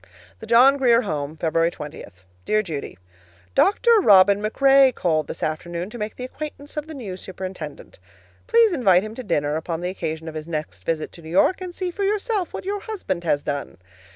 THE JOHN GRIER HOME, February 20. Dear Judy: Dr. Robin MacRae called this afternoon to make the acquaintance of the new superintendent. Please invite him to dinner upon the occasion of his next visit to New York, and see for yourself what your husband has done.